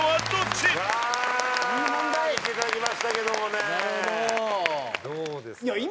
どうですか？